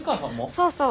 そうそう。